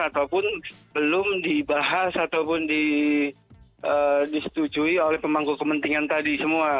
ataupun belum dibahas ataupun disetujui oleh pemangku kepentingan tadi semua